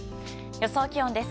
予想気温です。